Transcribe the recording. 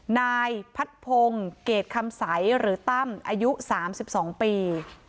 นายพัดพงศ์เกรดคำใสหรือตั้มอายุ๓๒ปี